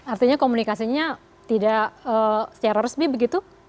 artinya komunikasinya tidak secara resmi begitu